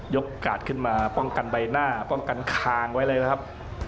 โอกาสขึ้นมาป้องกันใบหน้าป้องกันคางไว้เลยนะครับ